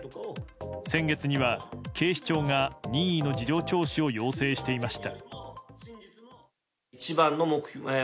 先月には警視庁が任意の事情聴取を要請していました。